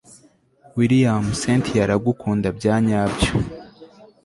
william cyntia aragukunda byanyabyo